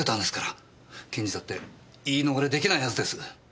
検事だって言い逃れできないはずです。